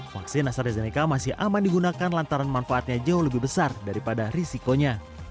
vaksin astrazeneca masih aman digunakan lantaran manfaatnya jauh lebih besar daripada risikonya